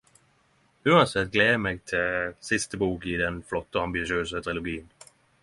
Uansett gler eg meg til siste bok i denne flotte og ambisiøse triologien.